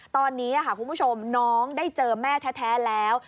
ตอนนี้คุณผู้ชมน้องได้เจอแม่แท้แล้ว